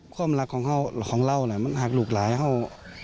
ความรักของเรามันหักลูกหลายเขา